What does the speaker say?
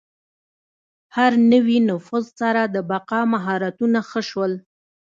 هر نوي نفوذ سره د بقا مهارتونه ښه شول.